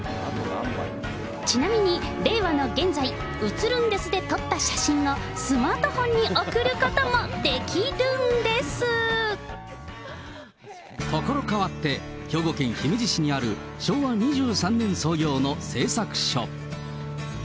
ちなみに、令和の現在、写ルンですで撮った写真をスマートフォンに送ることもできるんで所変わって、兵庫県姫路市にある昭和２３年創業の製作所。